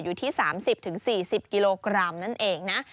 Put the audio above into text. อยู่ที่๓๐๔๐กิโลกรัมนั่นเองนะ